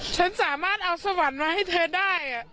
ฉันสามารถเอาสวรรค์มาให้เธอได้